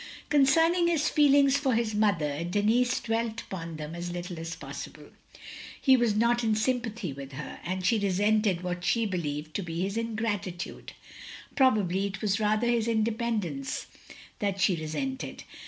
Concerning his feelings for his mother, Denis dwelt upon them as little as possible. He was not in sympathy with her, and she resented what she believed to be his ingratitude. Probably it was rather his independence that she resented.